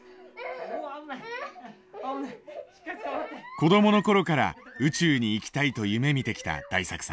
子どもの頃から宇宙に行きたいと夢みてきた大作さん。